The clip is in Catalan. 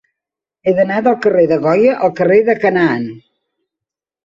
He d'anar del carrer de Goya al carrer de Canaan.